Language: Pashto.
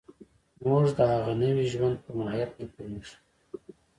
موږ د هغه نوي ژوند په ماهیت نه پوهېږو